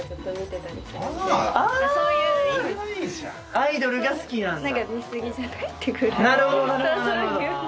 アイドルが好きなんだ。